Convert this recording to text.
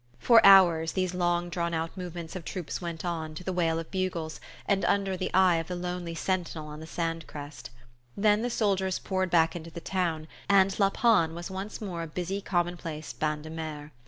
For hours these long drawn out movements of troops went on, to the wail of bugles, and under the eye of the lonely sentinel on the sand crest; then the soldiers poured back into the town, and La Panne was once more a busy common place bain de mer.